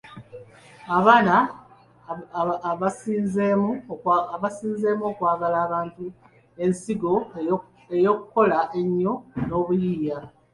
Abaana abasizeemu okwagala abantu, ensigo ey'okukola ennyo n'obuyiiya.